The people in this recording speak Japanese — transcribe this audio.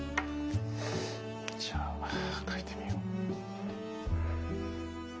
じゃあかいてみよう。